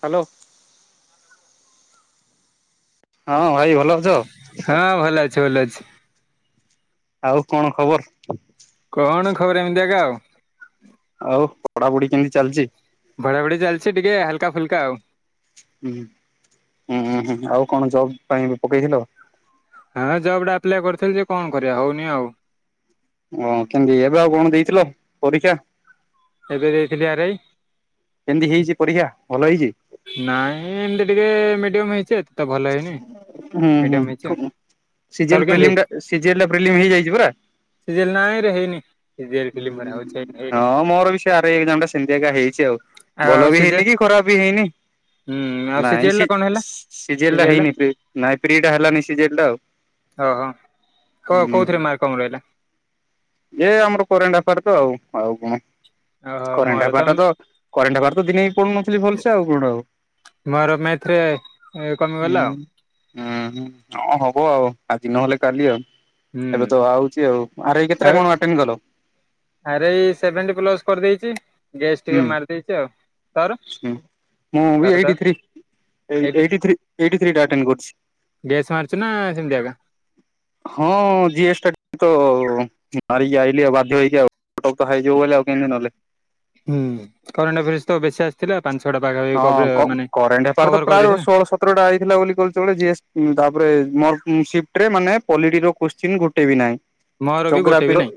Hello ହଁ ଭାଇ ଭଲ ଅଛ? ହଁ ଭଲ ଅଛି ଭଲ ଅଛି। ଆଉ କଣ ଖବର? କଣ ଖବର ଏମିତି ଏକା ଆଉ ଆଉ ପଢାପଢି କେମିତି ଚାଲିଛି ପଢ଼ା ପଢ଼ି ଚାଲିଛି ଟିକେ ହାଲକା ଫୁଲକା ଆଉ ହୁଁ ହୁଁ ହୁଁ ଆଉ କଣ ଜବ ପାଇଁ ପକେଇଥିଲ ହଁ ଜବ୍ ଟା ଆପ୍ଲାଏ କରିଥିଲି ଯେ କଣ କରିବା ହଉନି ଆଉ ଓହ କେମିତି ଏବେ ଆଉ କଣ ଦେଇଥିଲ ପରୀକ୍ଷା ଏବେ ଦେଇଥିଲି ଆର୍ ଆଇ କେମିତି ହେଇଛି ପରୀକ୍ଷା ଭଲ ହେଇଛି ନାଇଁ ଏମିତି ଟିକେ ମିଡିୟମ ହେଇଛି ଏତେତ ଭଲ ହେଇନି ହୁଁ ମିଡିୟମ ହୁଁ ହେଇଛି ଆଉ ତୋର ସିଯିଏଲ୍ କେମିତି ପ୍ରିଲିମ୍ ହେଇଛି ଟା ସିଯିଏଲ୍ ର ପିଲିମ୍ ଟା ହେଇଯାଇଛି ପରା ସିଜିଏଲ ନାଁଇ ରେ ହେଇନି ସିଜିଏଲ୍ ଫିଲ୍ମ ଗୁରା ହୁଁ ହଉଛି ହେଇନି ହଁ ମୋର ବି ସେ ଆର୍ ଆଇ ଏକ୍ଜାମ ଟା ସେମିତିଆ ଏକା ହେଇଛି ଆଉ ଆଉ ଆଉ ଭଲ ବି ସିଜିଏଲ୍ ହେଇନି କି ଖରାପ ବି ହେଇନି ହୁଁ ଆଉ ନାଇଁ ସିଜିଏଲ୍ ର କଣ ହେଲା ସିଜେଏଲ ସିଜିଏଲ୍ ର ହେଇନି ନାଇଁ ପ୍ରି ଟା ହେଲାନି ସିଜେଲା ଆଉ ଓହୋ କ କୋଉଥିରେ ମାର୍କ କମ୍ ରହିଲା ଏଇ ଆମର କରେଣ୍ଟ ଏଫାଇଆର ରେ ତ ଆଉ ଆଉ କଣ ଓହୋ କରେଣ୍ଟ ମୋର ଏଫାଇଆର୍ ଟା ତ କରେଣ୍ଟ ଏଫାଇଆର୍ ତ ଦିନେ ହି ପଢ଼ୁନଥିଲି ଭଲସେ ଆଉ କଣ ଆଉ ମୋର ମେଥ ରେ କମିଗଲା ଆଉ ହୁଁ ହୁଁ ହଁ ହବ ଆଉ ଆଜି ନହେଲେ କାଲି ଆଉ ହୁଁ ଏବେ ତ ଆଉଛି ଆଉ ଆରେ ଏଇ କେତଟା ଆଉ କଣ କଲ? ଆରେ ଏଇ ସେଭେଣ୍ଟି ପ୍ଲସ କରିଦେଇଚି, ଗେସ୍ ଟିକେ ମାରି ଦେଇଚି ଆଉ ତୋର ହଁ ମୁଁ ବି ତୋର ତୋର eighty three eight eighty three eighty three ଟା ଆଟେଣ୍ଡ‌ କରଛି। ଗେସ୍ ମାରୁଛୁ ନା ସେମିତି ଆକା? ହଁ ଜିଏସ୍ ଟା ଟିକେ ତ ମାରିକି ଆଇଲି ଆଉ ବାଧ୍ୟ ହେଇକି ଆଉ [unintelligible] ହୁ କରେଣ୍ଟ ଏଫଆଇଆର ତ ବେଶୀ ଆସିଥିଲା ପାଞ୍ଚ ଛଅ ଟା ପାଖାପାଖି ହଁ ମାନେ କଭର୍ କରିଦେଇଚିନା? ଅପ୍ରଡ଼ ଆଇଥିଲା ବୋଲି କୋହୁଚ କଣ ଜି ଏସ ତାପରେ ମୋର ସିପ୍ଟିରେ ମାନେ ପଲିଟି ର କୋଶ୍ଚିନ ଗୋଟେ ବି ନାହିଁ। ମୋର ବି ଗୋଟେ ଯୋଗ୍ରାଫୀ ବି ର ନାଇଁ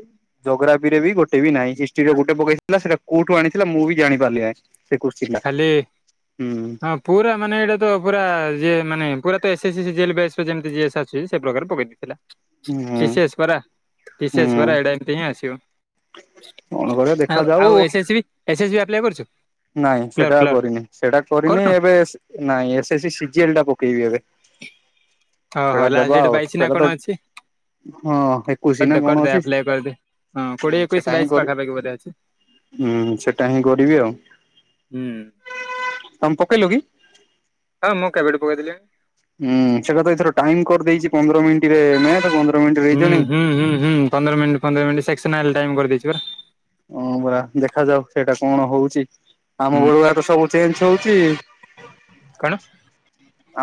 ଜୋଗ୍ରାଫିରେ ବି ଗୋଟ ବି ନାହିଁ ହିଷ୍ଟ୍ରି ରେ ଗୋଟେ ପକେଇଥିଲା ସେଟା କୋଉଠୁ ଆଣିଥିଲା ମୁଁ ବି ଜାଣି ପାରିଲିନାହିଁ। ସେ କୋଶ୍ଚିନ୍ ପ [unintelligible] ହୁଁ। ହଁ ପୁରା ମାନେ ଏଇଟା ତ ପୁରା ଯିଏ ମାନେ ପୁରା ତ ଏସ୍- ଏସ୍- ଏସ୍ ଜେଲ ବେସ୍ ଯେମିତି ଜିଏସ୍ ଆସଛି ସେ ପ୍ରକାର ପକେଇଦେଇଚି। ହୁଁ ବିଶେସ୍ୱରା, ହୁଁ ବିଶେସ୍ୱରା [unintelligible] ଏଇଟା ଏମତି ହିଁ ଆସିବ। କଣ କରିବା [inaudible] ଆଉ ଦେଖାଯାଉ ଆଉ S -C S -C apply କରିଛୁ। ନାଇଁ ସେଟା କରିନି ସେଟା କରିନି କରୁନୁ ଏବେ ନାଇଁ ଏସ୍-ସି ସିଜିଲ୍ ଟା ପକେଇବି ଏବେ। ଓହୋ ସେଇଟା ଲାଷ୍ଟ ଦେବା ଡେଟ୍ ଆଉ ବାଇଶି ନା ସେଟା କଣ ତ ଅଛି? ହଁ ଏକୋଇଶି ନା କରିଦେ କଣ କରିଦେ ଅଛି, ଆପ୍ଲାଏ କରିଦେ ହଁ କୋଡିଏ ଏକୋଇଶି ସେଟା ବାଇଶି ହିଁ ପାଖାପାଖି କରିବି। ବୋଧେ ଅଛି। ହୁଁ ସେଟା ହିଁ କରିବି ଆଉ। ହୁଁ। ତମେ ପକେଇଲ କି? ହଁ ମୁଁ କେବେଠୁ ପକେଇଦେଲିଣି। ହୁଁ ସେଟା ତ ଏଥର ଟାଇମ କରିଦେଇଛି ପନ୍ଦର ମିନିଟରେ ମ୍ୟାର୍ଥ ତ ପନ୍ଦର ମିନିଟରେ ହୁଁ ରିଜଲିଂ। ହୁଁ ହୁଁ ହୁଁ ପନ୍ଦର ମିନିଟ ପନ୍ଦର ମିନଟ ସେକ୍ସ୍ନାଲ୍ ଟାଇମ କରିଦେଇଛି ପା। ହଁ ପରା ଦେଖାଯାଉ ସେଇଟା କଣ ହଉଛି ଆମ ହୁଁ। ବେଳୁଆ ତ ସବୁ ଚେଞ୍ଜ ହଉଛି। କଣ?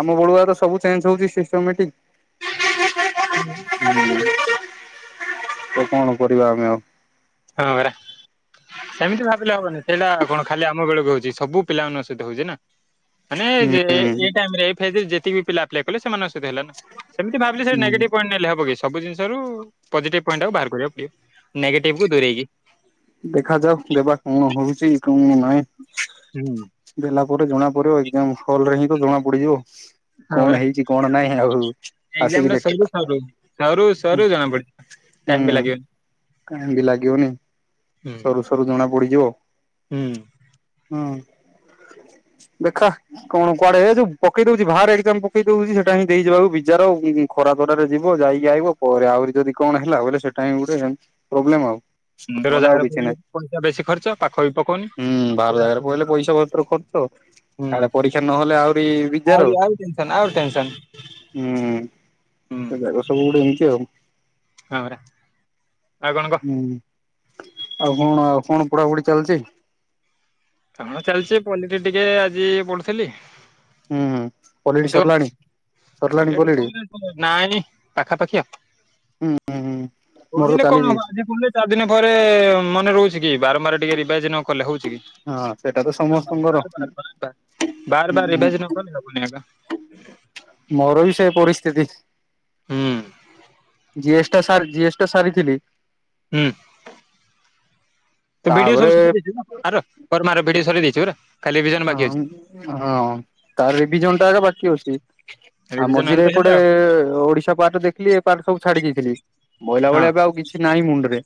ଆମ ବଳୁଆ ତ ସବୁ ଚେଞ୍ଜ ହଉଚି ସିଷ୍ଟୋମେଟିକ। [inaudible] ହୁଁ ତ କଣ କରିବା ଆମେ ଆଉ। ହଁ ରା। [inaudible] ସେମିତି ଭାବିଲେ ହବନି ସେଇଟା କଣ ଖାଲି ଆମ ବେଳକୁ ହଉଛି ସବୁ ପିଲାମାନଙ୍କ ସହିତ ହଉଛି ନା। [inaudible] ମାନେ ହୁଁ। [unintelligible] ଏଇ ଟାଇମରେ ଫେଜରେ ଯେତିକି ପିଲା କଲେ ସେମାନଙ୍କ ସହିତ ହେଲା ନା ସେମତି ଭାବିଲି ସେ ହୁଁ ନେଗେଟିଭ ପଏଣ୍ଟ ନେଲେ ହବ କି। ସବୁ ଜିନିଷରୁ ପଜିଟିଭ୍ ପଏଣ୍ଟଟାକୁ ବାହାର କରିବାକୁ ପଡ଼ିବ ନେଗେଟିଭ୍ କୁ ଦୂରେଇକି। ଦେଖାଯାଉ ଦେବା କଣ ହଉଛି କଣ ନାହିଁ। ହୁଁ। [unintelligible] ଦେଲା ପରେ ଜଣା ପଡି଼ବ ଏକଜାମ ହଲ୍ ରେ ହିଁ ତ ଜଣା ପଡି଼ଯିବ। ହଁ ବରା ଆସିକି ଏକ୍ଜାମ ଟା ଦେଖ ସରୁ -ସରୁ -ସରୁ- ସରୁ ଜଣା ପଡି ଟାଇମ ବି ହୁଁ ଲାଗିବନି। କାହିଁକି ଲାଗିବନି ହୁଁ। ସରୁ ସରୁ ଜଣା ପଡି଼ଯିବ। ହୁଁ। ହୁଁ ଦେଖ। କଣ କୁଆଡେ଼ ଯୋଉ ପକେଇ ଦଉଛି ବାହାରେ ଏକ୍ଜାମ ପକେଇ ଦଉଛି ସେଇଟା ହିଁ ଦେଇବାକୁ ବିଜାର ଖରା ତରାରେ ଯିବ ଯାଇକି ଆଇବ ପରେ ଆହୁରି ଯଦି କଣ ହେଲା ବୋଇଲେ ସେଟା ହିଁ ଗୋଟେ [unintelligible] ପ୍ରୋବ୍ଲେମ ଆଉ। ଦୂର ନହଲେ ଆଉ ଜାଗାରେ କିଛି ପଇଲେ ନାହିଁ। ପଇସା ବେଶୀ ଖର୍ଚ୍ଚ ପାଖ ବି ପକଉନି। ହୁଁ ବାହାର ଜାଗାରେ ପଈଲେ ପଇସା ପତ୍ର ଖର୍ଚ୍ଚ ହୁଁ। କାଳେ ପରୀକ୍ଷା ନହେଲେ ଆହୁରି ବିଯାର ଆହୁରି ହୁଁ। ଆଉ ଟେନସନ ଆଉ ଟେନସନ ହୁଁ ସେ ଜାଗ ସବୁ ଗୁଟେ ଏମିତି ଆଉ। ହଁ ପରା ଆଉ କଣ କହ? ହୁଁ ଆଉ କଣ ଆଉ କଣ ପୁଢା଼ପୁଢ଼ି ଚାଲିଛି? କଣ ଚାଲିଛି ପଲିଥିମ୍ ଟିକେ ଆଜି ପଢୁଥିଲି। ହୁଁ ହୁଁ ପଲିଡି ସରିଲାଣି ସରିଲାଣି କଣ କ ପଲିଡି ନା ପାଖାପାଖିଆଉ [inaudible] ହୁଁ ହୁଁ ହୁଁ ମୋର କଣ ଚାଲିଛି। ହବ ଆଜି ପଢିଲେ ଚାରି ଦିନ ପରେ ମନେ ରହୁଛି କି ବାରମ୍ବାର ଟିକେ ରେଭାଇଜ ନ କଲେ ହଉ [unintelligible] ହଁ ସେଟା ତ ବାର ସମସ୍ତଙ୍କର ବାର ବାର ବାର ବାର ବାର ରିଭାଇଜ ନ କଲେ ହବନି ଏକା। ମୋର ବି ସେ ପରିସ୍ଥିତି। ହୁଁ ଜିଏସ୍ ଟା ସାର ଜିଏସ୍ ଟା ସାରିଥିଲି। ହୁଁ। ତୁ ଭିଡିଓ ତାପରେ ସବୁ ସାରି ଦେଇଛୁ ନାଁ କାର କର୍ମାର ଭିଡିଓ ସାରି ଦେଇଛୁୁ ପରା ଖାଲି ରିଭିଜନ ବାକି ଅଛି ହଁ ହଁ ତାର ରିଭିଜନ୍ ଟା ଏକା ବାକି ଅଛି। ଆଉ ରିଭିଜନ ହେଲେ ମଝିରେ ତ ହେଲା ଏପଟେ ଆଉ ଓଡିଶା ପାର୍ଟ ଦେଖିଲି ଏ ପାର୍ଟ ସବୁ ଛାଡି ଯାଇଥିଲି। ମୋଇଲା ଭଳିଆ ହଁ। ଏବେ ଆଉ କି କିଛି ନାହିଁ ମୁଣ୍ଡରେ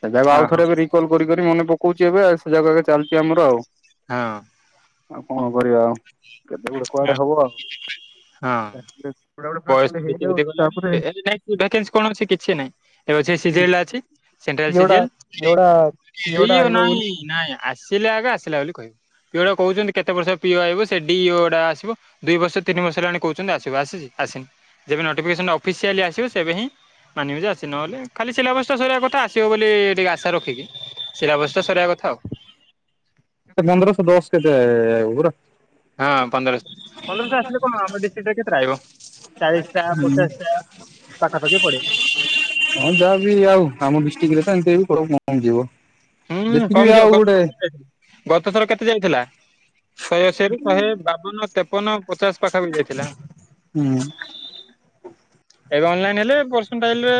ସେ ଜାକ ଆଉ ଓହୋ ଥରେ ଏବେ ରିକଲ କରିିକରି ମନେ ପକଉଛି ଏବେ ସେ ଜାକ ଏବେ ଚାଲିଛି ଆମର ଆଉ। ହଁ। ଆଉ କଣ କରିବା ଆଉ କେତେ ବଳେ ଆ କୁଆଡେ ହବ। ହଁ କୁଆଡେ ଗୋଟେ ଫାଷ୍ଟ ଗୋଟେ ବୟସ ବିତି ହେଇଯାଉ ବିତି ଗଲାଣି ତାପରେ ଏବେ ଯାଏ ଭାକାନ୍ସ କଣ ଅଛି କିଛି ନାଇଁ। ଏବେ ସେ ସି ଜି ଏଲ୍ ଟା ଅଛି ସେଣ୍ଟ୍ରାଲ ସି ଜି ପିଓଟା ଏଲ୍ ପିଓଟା ପିଓଟା ସିଏବି ଆଉ ଆଇବ ନାଇଁ। ବୋଲି ନାଇଁ ଆସିଲେ ଆଗେ ଆସିଲା ବୋଲି କହିବୁ ସିଏ ପରା କହୁଛନ୍ତି କେତେ ବର୍ଷ ପିଅ ଆଇିବ ସେ ଡି ଓ ଟା ଆସିବ ଦୁଇ ବର୍ଷ ତିନି ବର୍ଷ ହେଲାଣି କହୁଛନ୍ତି ଆସିବ ଆସିଛି ଆସିନି। ଯେବେ ନୋଟିଫିକେସନ୍ ଅଫସିଆଲି ଆସିବ ସେବେ ହିଁ ମାନିବି ଯେ ଆସିନି ବୋଲି ଖାଲି ସିଲାବସଟା ସରିବା କଥା ଆସିବ ବୋଲି ଟିକି ଆଶା ରଖିକି ସିଲାବସ୍ଟା ସରିବା କଥା ଆଉ। ପନ୍ଦର ସ ଦଷ କେତେ ଏ ଏଗୁରା। ହଁ ପନ୍ଦରଶହ ପନ୍ଦରଶହ ଆସିଲେ କଣ ହବ ଡିଷ୍ଟ୍ରିକ୍ଟ କେଇଟା ଆଇବ? ଚାଳିଶ ଟା ପଚାଶଟା ପାଖାପାଖି ପଡେ। ହଁ ଯାହାବି ଆଉ ଆମ ଡିଷ୍ଟ୍ରିକ୍ଟରେ ତ ଏମିତି ହେଇକି [inaudible] ଯିବ। ହୁଁ କମଯିବ ଗତ କେତେ ଯାଇ ଗତ ଥର କେତେ ଯାଇଥିଲା। ଶହେ ଅଶୀରୁ ଶହେ ବାବନ ତେପନ ପଚାଶ ପାଖାପାଖି ଯାଇଥିଲା। ହୁଁ ଏବେ ଅନଲାଇନ ହେଲେ ପର୍ସେଣ୍ଟାଇଲ୍ରେ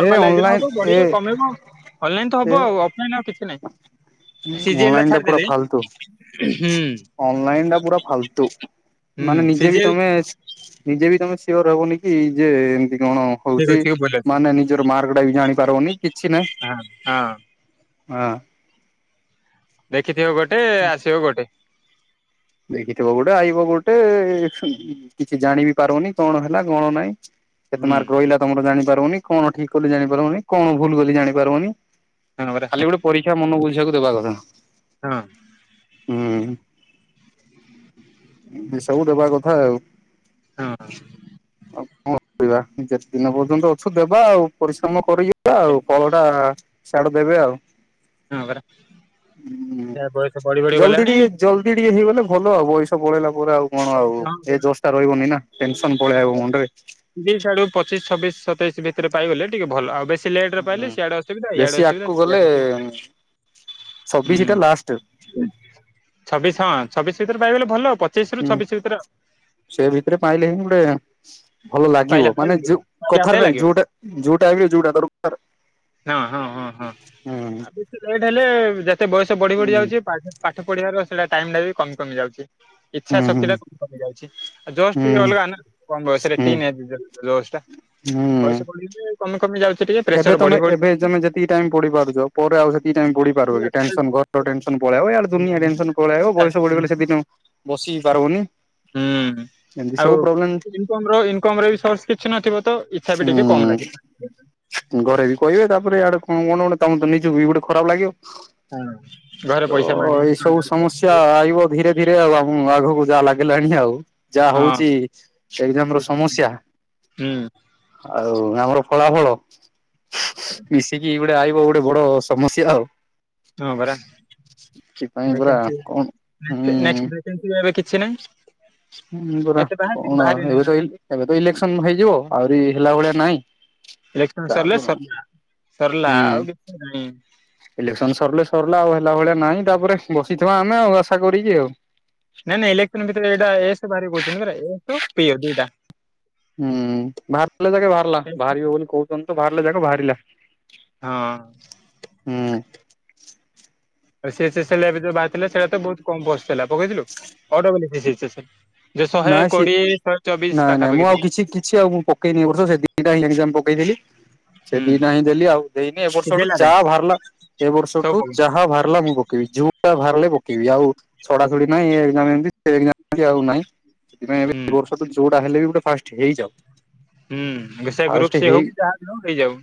ଏ ହବ ଅନଲାଇନ ଏ ବଢିବ କମେଇବ। ଅନଲାଇନ୍ ତ ଏ ହବ ଆଉ ଅଫଲାଇନ୍ ଆଉ କିଛି ନାଇଁ। ଅନଲାଇନ ଟା ପୁରା ଫାଲତୁ ହୁଁ। ଅନଲାଇନ ଟା ପୁରା ଫାଲତୁ। ହୁଁ ମାନେ ନିଜେ ବି ସିଜିଏଲ ତମେ ନିଜେ ବି ତମେ ସିଓର ହବନି କି ଯେ ଏମିତି କଣ? ଠିକ ହଉଛି ଅଛି ଭଲ ଅଛି ମାନେ ନିଜର ମାର୍କଟା ବି ଜାଣି ପାରବନି କିଛି ନାଇଁ। ହଁ ହଁ। ହଁ। ଦେଖିଥିବ ଗୋଟେ ଆସିବ ଗୋଟେ। ଦେଖିଥିବ ଗୋଟେ ଆଇବ ଗୋଟେ ଏ କିଛି ଜାଣିବି ପାରବନି କଣ ହେଲା କଣ ନାଇଁ କେତେ ହୁଁ ମାର୍କ ରହିଲା। ତମର ଜାଣି ପାରିବନି କଣ ଠିକ୍ କଲି ଜାଣିପାରିବନି କଣ ଭୁଲ କ ଜାଣିପାରିବନି ହଁ ପରା ଖାଲି ଗୋଟ ପରୀକ୍ଷା ମନ ବୁଝିବାକୁ ଦେବା କଥା। ହଁ। ହୁଁ। ଏ ସବୁ ଦେବା କଥା ଆଉ। ହଁ। ଆଉ କଣ କରିବା ଯେତେ ଦିନ ପର୍ଯ୍ୟନ୍ତ ଅଛୁ ଦେବା ଆଉ ପରିଶ୍ରମ କରିିବା ଆଉ ଫଳ ଟା ସାଡେ ଦେବେ ଆଉ। ହଁ ପରା ହୁଁ। ଯାହା ବୟସ ବଢି ବଢି ଜଲ୍ଦି ଗଲାଣି। ଟିକେ ଜଲ୍ଦି ଟିକେ ହେଇଗଲେ ଭଲ ଆଉ ବୟସ ପଳେଇଲା ପରେ ଆଉ କଣ ଆଉ ଏ ଜୋସ୍ ଟା ରହିବନି ନା ଗଲାଣି ଟେନସନ ପଳେଇ ଆଇବ ମୁଣ୍ଡରେ। ଦି ଆଡୁ ପଚିଶ ଛବିଶ ସତେଇଶ ଭିତରେ ପାଇଗଲେ ଟିକେ ଭଲ ଆଉ ବେଶୀ ଲେଟେରେ ହୁଁ ପାଇଲେ ସିଆଡେ ଅସୁବିଧା ବେଶୀ ଇଆଡେ ଆଗକୁ ଗଲେ ଅସୁବିଧା ଛବିଶି ହୁଁ। ଟା ଲାଷ୍ଟ ଛବିଶ ହଁ ଛବିଶ ଭିତରେ ପାଇଗଲେ ଭଲ, ପଚିଶ ରୁ ହୁଁ, ଛବିଶ ଭିତରେ ସେ ଭିତରେ ପାଇଲେ ହିଁ ଗୁଡେ ଭଲ ପାଇଲା ଲାଗିବ ଭଳିଆ ମାନେ ଯୋଉ ପାଇଲା କଥାର ଭଳିଆ ନାଇଁ ଲାଗିବ। ଯୋଉଟା ଯୋଉଟା ହେଲେ ଯୋଉଟା ଦର କାର ହଁ, ହଁ, ହଁ, ହଁ ଆ, ବେଶି ଲେଟ୍ ହେଲେ ଯେତେ ବୟସ ବଢି ବଢି ହୁଁ ଯାଉଛି [inaudible] ପାଠ ପଢିବାର ସେଟା ଟାଇମ୍ ଟା ବି କମି କମି ଯାଉଛି। ଇଛା ହୁଁ ଶକ୍ତି ଟା ହୁଁ କମି କମି ଯାଉଛି। ଏ ଜୋସ୍ ଟିକ ହୁଁ ଅଲଗା ନା କମ ବୟସରେ ଟିନ୍ ହୁଁ ଏଜ୍ ଯେ ଜୋସ୍ ଟା ହୁଁ। ବୟସ ବଢିଲେ କମିକମି ଯାଉଛି ଟିକେ ପ୍ରେସର୍ ଏବେ ତମେ ଏବେ ତୋମେ ଯେତିକି ଟାଇମ୍ ପଢି ପାରୁଛ, ପରେ ଆଉ ସେତିକି ଟାଇମ୍ ପଢି ପାରିବ କି? ଟେନସନ୍ ଘର ଯାଉଛି। ଟେନସନ୍ ପଳେଇଆଇବ ଇଆଡେ ଦୁନିଆ ଟେନସନ୍ ପଳିଆଇବ ବୟସ ବଢିଗଲେ ସେଦିନ ବସି ପାରିବୁନି। ହୁଁ, ଆଉ ଇନକମ୍ ର ଇନକମ୍ ରେ ବି ସୋର୍ସ କିଛି ନଥିବ ତ ଇଚ୍ଛା ବି ଟିକେ କମ ହୁଁ ଲାଗିବ। [inaudible] ଘରେ ବି କହିବେ ତାପରେ ଆଡେ କଣ କଣ ଗୋଟେ ତୋମେ ତ ନିଜକୁ ବି ଗୋଟେ ଖରାପ ଲାଗିବ। ହଁ ଘରେ ତ ପଇସା ମାଗିକି ଏଇ ହଁ ସବୁ ହୁଁ ସମସ୍ୟା ଆଇବ ଧୀରେ ଧୀରେ ଆଉ ଆମ ଆଘକୁ ଯାହା ଲାଗିଲାଣି ଆଉ, ଯାହା ହଉଛି ଏକ୍ଜାମ୍ ର ସମସ୍ୟା ହୁଁ। ଆଉ ଆମର ଫଳାଫଳ ମିଶିକି ଗୋ ଟେ ଆଇବ ଗୋଟେ ବଡ ସମସ୍ୟା ଆଉ। ହଁ ପରା ସେଥିପାଇଁ ପୁରା ଭେକେନ୍ସି କଣ ନେକେ ହୁଁ ନେକ୍ସଟ୍ ଭେକେନ୍ସି ଆର କିଛି ନାହିଁ। ହୁଁ, ପରା ଏତେ ବାହାରିଛି କଣ ବାହାରିନି ଏବେ ତ ଇଲେ ଏବେ ତ ଇଲେକ୍ସନ୍ ହେଇଯିବ, ଆଉରି ହେଲା ଭଳିଆ ନାଇଁ। ଇଲେକ୍ସନ୍ ସରିଲେ ସରିଲା, ସରଲା ଆଉ କିଛି ନାଇଁ। ଇଲେକ୍ସନ୍ ସରିଲେ ସରିଲା ଆଉ ହେଲା ଭଳିଆ ନାଇଁ, ତାପରେ ବସିଥିବା ଆମେ ଆଉ ଆଶା କରିକି ଆଉ। ନାଇଁ ନାଇ ଇଲେକ୍ଟ୍ରିନ୍ ଯେତେଳେ ଏଇଟା ଏସ୍ ବାହାରିବ କହୁଛନ୍ତି ପରା, ଏସ ପିଓ ଦି ଟା। ହୁଁ, ବାହାରିଲେ ଯାକ ବାହାରିଲା, ବାହାରିବ ବୋଲି କହୁଛନ୍ତି ତ ବାହାରିଲେ ଯାକ ବାହାରିଲା। ହଁ। ହୁଁ। ଏସିଏସି ସରିଲା ଏବେ ଯୋଉ ବାହାରି ଥିଲା ସେଟା ତ ବହୁତ କମ ପୋଷ୍ ଥିଲା ପକେଇଥିଲୁ? [unintelligible] ଯେ ଶହେ ନାଇଁ ସିଏ କୋଡିଏ ଶହେ ଚବିଶ ନାଇଁ ନାଇଁ ମୁଁ ପାଖାପାଖି ଆଉ ଥିଲା‌। କିଛି କିଛି ଆଉ ମୁଁ ପକେଇନି ଏ ବର୍ଷ ସେ ଦିଟା ହିଁ ଏକ୍ଜାମ୍ ପକେଇଥିଲି। ସେ ହୁଁ। ଦିଟା ହିଁ ଦେଲି ଆଉ ଦେଇନି, ଏ ବର୍ଷ ଠୁ ସିଝେଇଲା ଯା ନାଇଁ ବାହାରିଲା ଏ ସବୁ ବର୍ଷଠୁ ପକେଇ ଯାହା ବାହାରିଲା ମୁଁ ପକେଇବି, ଯୋଉ ଯାହା ବାହାରିଲେ ପକେଇବି ଆଉ ଛଡ଼ା ଛୁଡି ନାହଁ। ଏ ଏକ୍ଜାମ୍ ଏମିତି ସେ ଏକ୍ଜାମ୍ ସେମିତି ଆଉ ନାହଁ। ସେଥିପାଇଁ ଏବେ ହୁଁ ଏ ବର୍ଷ ତ ଯୋଉଟା ହେଲେ ବି ଗୋଟେ ଫାଷ୍ଟ ହେଇଯାଉ। ହୁଁ, ବି ସେ ଫାଷ୍ଟ ଗ୍ରୁପ୍ ସି ହେଇ ହଉ କିି ଯାହା ହଉ ହେଇଯାଉ,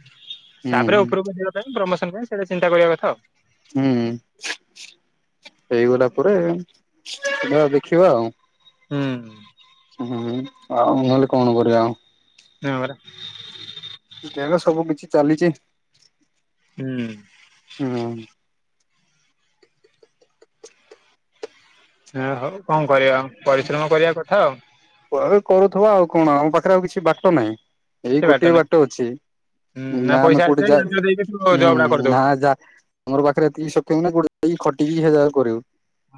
ହୁଁ ତାପରେ ହୁଁ ଉପରକୁ ଯିବ ପାଇଁ ପ୍ରମୋସନ୍ ପାଇଁ ସେଟା ଚିନ୍ତା କରିବା କଥା ଆଉ। ହୁଁ, ହେଇଗଲା ପରେ ଯାହା ଦେଖିବା ଆଉ। ହୁଁ। ହୁଁ, ଆଉ ନହେଲେ କଣ କରିବା ଆଉ। ହଁ ପରା। ଦେହ ସବୁ କିଛି ଚାଲିଚି। ହୁଁ। ନାଇ ହଁ ହଉ କଣ କରିବା ପରିଶ୍ରମ କରିବା କଥା ଆଉ। କୁଆଡୁ କରୁଥୁବା ଆଉ କଣ ଆମ ପାଖରେ ଆଉ କିଛି ବାଟ ନାହିଁ, ଏଇ କିଛି ଗୋଟିଏ ନାହିଁ। ବାଟ ଅଛି। ହୁଁ ନା ଆମେ ପଇସା କୋଉଠି ଆସିଲେ ଯା, ମେଞ୍ଚେ ଦେଇକି ତୁ ହୁଁ, ଜବ୍ ଟା କରିଦବୁ ନା ଯା ଆମର ପାଖରେ ଏତିକି ସକ୍ଷମ ନା କୋଉଠି ଯାଇକି ଖଟିକି ହେଟା ଆମେ କରିବୁ।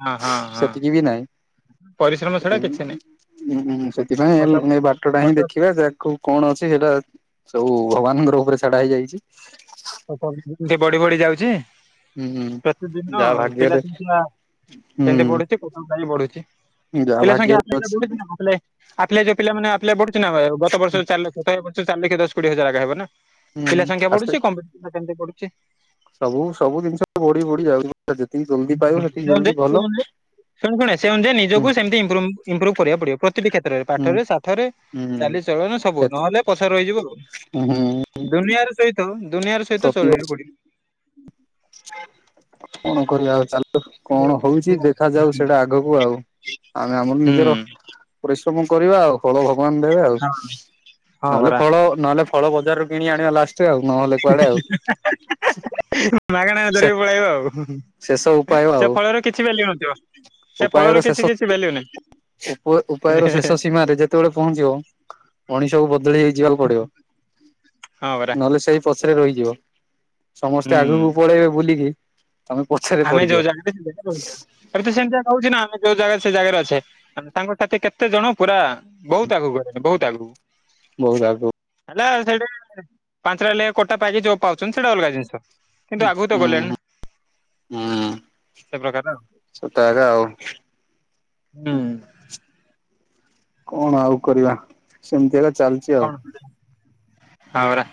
ହଁ ହଁ ହଁ। ସେତିକି ବି ନହିଁ ପରିଶ୍ରମ ଛଡା କିଛି ନାହିଁ ହୁଁ ସେଥିପାଇଁ ଫଟୋ ଏ ବାଟ ଟା ହିଁ ଫଟୋ ଦେଖିବା ଯାହାକୁ କଣ ଅଛି ହେଟା ସବୁ ଭଗବାନଙ୍କର ଉପରେ ଛଡା ହେଇଯାଇଚି। ବଢି ବଢି ଯାଉଚି? ହୁଁ। ପ୍ରତିଦିନ ଯାହା ପିଲା ଭାଗ୍ୟରେ ସଂଖ୍ୟା କେମିତି ହୁଁ ବଢୁଚି କ ପାଇଁ ବଢୁଚି। ଯାହା ପିଲ ସଂଖ୍ୟା ଭାଗ୍ୟରେ ଆପେ ଆ ଅଛି ବଢୁଥିବା କଲେ ଆପ୍ଲାଏ ଯୋଉ ପିଲମାନେ ଆପ୍ଲାଏ ବଢୁଛି ନା ଗତ ବର୍ଷ ଚାରି ଲକ୍ଷ ତ ଏ ବର୍ଷ ଚାରି ଲକ୍ଷ ଦଶ କୋଡିଏ ହଜାର ହେବ ନା। ହୁଁ ପିଲା ସଂଖ୍ୟା ଆସ୍ତେ ବଢୁଚି କମ୍ପିଟିସନ୍ ସେମିତି ବଢୁଚି‌। ସବୁ ସବୁ ଜିନିଷ ବଢି ବଢି ଯାଉଚି ଯେତିକି ଜଲଦି ପାଇବ ସେତିକି ଜଲଦି ଭଲ। ଶୁଣି ଶୁଣେ ସେ ଅନୁଯାୟ ହୁଁ ନିଜକୁ ସେମିତିଭ ଇଂପ୍ରୁବ୍ ଇମ୍ପ୍ରୁବ୍ କରିବାକୁ ପଡିବ ପ୍ରତିଟି କ୍ଷେତ୍ରରେ ହୁଁ ପାଠରେ ସାଠରେ। ହୁଁ ହୁଁ ଚାଲି ଚଳନ ସବୁ ନହେଲେ ପଛରେ ରହିଯିବୁ ଆଉ ଦୁନିଆରେ ର ହେଇ ଦୁନିଆର ସହିତ ପ୍ରତିବର୍ଷ ଚଳେଇବା କୁ ପଡ଼ି କଣ କରିବା ଆଉ ଚାଲ। କଣ ହୋଉଚି ଦେଖାଯାଉ ସେଇଟା ଆଗକୁ ଆଉ ଆମେ ଆମର ହୁଁ ନିଜର ପରିଶ୍ରମ କରିବା ଆଉ ଫଳ ଭଗବାନ୍ ଦେବେ ଆଉ ହଁ ନହେଲେ ପରା ଫଳ ନହେଲେ ଫଳ ବଜାରରୁ କିଣି ଆଣିବା ଲାଷ୍ଟ୍ ରେ ଆଉ ନହେଲେ କୁଆଡେ ଆଉ। ମାଗଣା ସେ ଧରିକି ପଳେଇବା ଆଉ। ଶେଷ ଉପାୟ ଆଉ ସେ ଫଳରେ କିଛି ଭ୍ୟାଲ୍ୟୁ ନଥିବ ସେ ଫଳର କିଛି କିଛି ଭ୍ୟାଲ୍ୟୁ ନାହିଁ। ଉପାୟ ରୁ ଶେଷ ସୀମାରେ ଯେତେବେଳେ ପହଞ୍ଚିବ ମଣିଷକୁ ବଦଳି ଯିବାକୁ ପଡିବ ହଁ ପରା ନହେଲେ ସେଇ ପଛରେ ରହିଯିବ। ସମସ୍ତେ ହୁଁ ଆଗକୁ ପଳେଇବେ ବୁଲିକି ତମେ ପଛରେ ପଡିିଯିବ। ଏ ତ ସେମତି ଆକା ହେଉଛି ନା ଆମେ ଯୋଉ ଜାଗା ସେ ଜାଗାରେ ଅଛେ ସାଙ୍ଗ ସାଥୀ କେ ତେ ଜଣ ପୁରା ବୋହୁତ୍ ଆଗକୁ ଗଲେଣି ବୋହୁତ୍ ଆଗକୁ। ବହୁତ ଆଗକୁ ହେଲୋ ସେଇଠି ପାଞ୍ଚଟା ଲେ କୋଟା ପାଇକି ଯୋଉ ପାଉଛନ୍ତି ସେଇଟା ଅଲଗା ଜିନିଷ। କିନ୍ତୁ ଆଗକୁ ତ ଗଲେଣି ନା। ହୁଁ ହୁଁ ସେ ପ୍ରକାର ଆଉ ସେଟା ଆକା ଆଉ ହୁଁ। କଣ ଆଉ କରିବା ସେମିତି ଆକା ଚାଲ୍ କଣ ହଁ ପରା।